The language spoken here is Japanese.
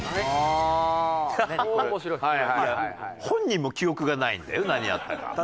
本人も記憶がないんだよ何やったか。